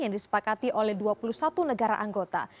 yang disepakati oleh dua puluh satu negara anggota